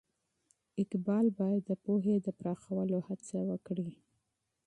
اقبال باید د پوهې د پراخولو هڅه وکړي.